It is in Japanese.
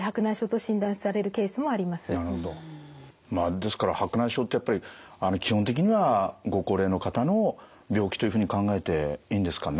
ですから白内障ってやっぱり基本的にはご高齢の方の病気というふうに考えていいんですかね？